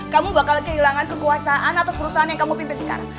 kamu bakal kehilangan kekuasaan atas perusahaan yang kamu pimpin sekarang